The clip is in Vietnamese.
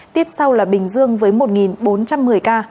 tiếp sau là bình dương với một bốn trăm một mươi ca